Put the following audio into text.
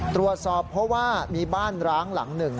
ตรวจสอบเพราะว่ามีบ้านร้างหลังหนึ่ง